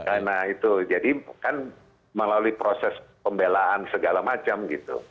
karena itu jadi kan melalui proses pembelaan segala macam gitu